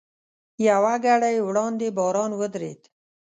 یوه ګړۍ وړاندې باران ودرېد.